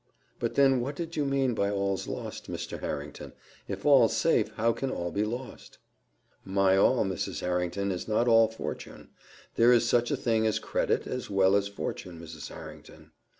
"But then what did you mean by all's lost, Mr. Harrington; if all's safe, how can all be lost?" "My all, Mrs. Harrington, is not all fortune. There is such a thing as credit as well as fortune, Mrs. Harrington."